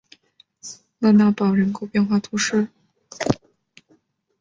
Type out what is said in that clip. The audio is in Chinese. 勒讷堡人口变化图示